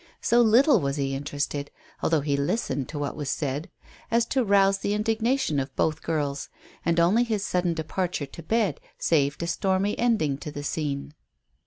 So little was he interested, although he listened to what was said, as to rouse the indignation of both girls, and only his sudden departure to bed saved a stormy ending to the scene.